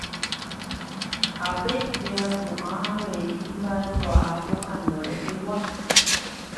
ápe herakuã avei imba'ekuaa pohãno rehegua